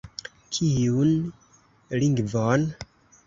Kiun lingvon?